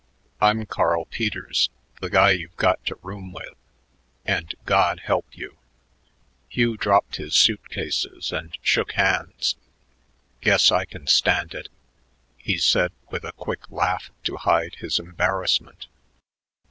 "I'm Carl Peters, the guy you've got to room with and God help you." Hugh dropped his suit cases and shook hands. "Guess I can stand it," he said with a quick laugh to hide his embarrassment.